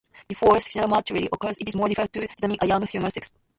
Before sexual maturity occurs, it is more difficult to determine a young hamster's sex.